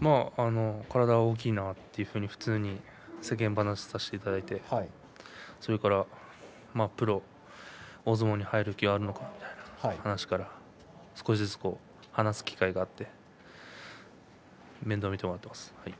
体が大きいなというふうに普通に世間話をさせていただいてそれから、プロ、大相撲に入る気はあるのかという話から少しずつ話す機会があって面倒を見てもらっています。